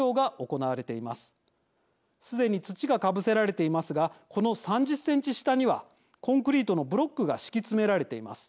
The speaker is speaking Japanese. すでに土がかぶせられていますがこの３０センチ下にはコンクリートのブロックが敷き詰められています。